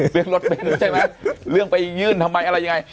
เรื่องรถเป็นใช่ไหมเรื่องพระองค์ยุ่นทำไมอะไรยังไง